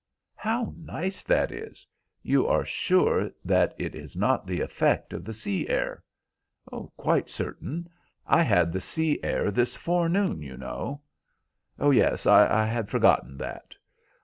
"How nice that is. You are sure that it is not the effect of the sea air?" "Quite certain. I had the sea air this forenoon, you know." "Oh, yes, I had forgotten that."